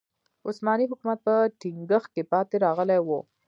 عثماني حکومت په ټینګښت کې پاتې راغلی و.